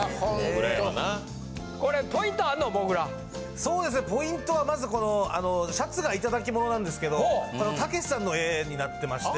そうですねポイントはまずシャツが頂き物なんですけどたけしさんの絵になってまして。